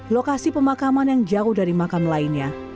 lokasi pemakaman yang jauh dari makam lainnya